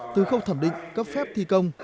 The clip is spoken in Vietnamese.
từ khốc thẩm định cấp phép thi công